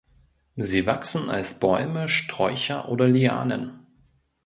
Sie wachsen als Bäume, Sträucher oder Lianen.